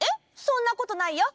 そんなことないよ！